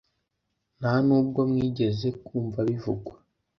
Nta n’ubwo mwigeze kumva bivugwa ?